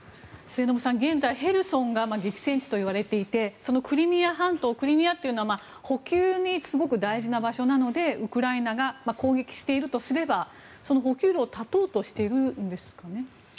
末延さん、現在ヘルソンが激戦地といわれていてそのクリミア半島クリミアというのは補給にすごく大事な場所なのでウクライナが攻撃しているとすればその補給路を断とうとしているんですかね。